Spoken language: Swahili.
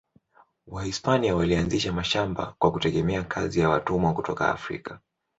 Wahispania walianzisha mashamba kwa kutegemea kazi ya watumwa kutoka Afrika.